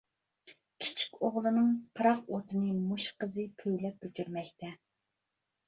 كىچىك ئوغلىنىڭ پىراق ئوتىنى مۇشۇ قىزى پۈۋلەپ ئۆچۈرمەكتە.